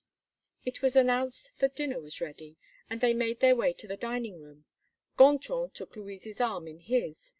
It was announced that dinner was ready; and they made their way to the dining room. Gontran took Louise's arm in his.